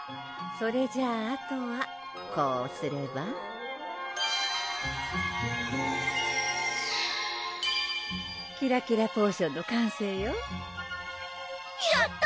それじゃああとはこうすればキラキラポーションの完成よやった！